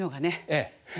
ええ。